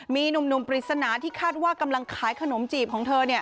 มีหนุ่มปริศนาที่คาดว่ากำลังขายขนมจีบของเธอ